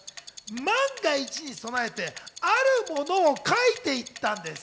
万が一に備えて、あるものを書いて行ったんです。